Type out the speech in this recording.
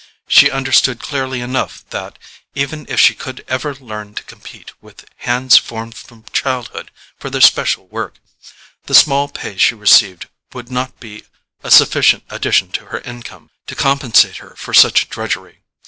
She understood clearly enough that, even if she could ever learn to compete with hands formed from childhood for their special work, the small pay she received would not be a sufficient addition to her income to compensate her for such drudgery.